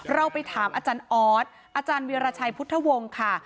เราไปถามอาจารย์ออสอาจารย์วิราชัยพุทธวงศ์ค่ะ